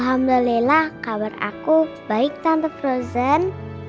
alhamdulillah kabar aku baik tante frozen